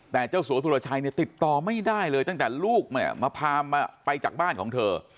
แต่เจ้าสัวสุรชัยเนี่ยติดต่อไม่ได้เลยตั้งแต่ลูกเนี่ยมาพามาไปจากบ้านของเธอ